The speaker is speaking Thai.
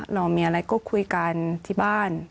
เรามีอะไรก็คุยกันที่บ้าน